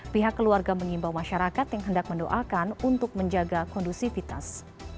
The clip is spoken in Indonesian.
pihak keluarga mengimbau masyarakat yang hendak mendoakan untuk menjaga kondusivitas